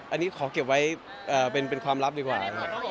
อันนี้ขอเก็บไว้เป็นความลับดีกว่านะครับ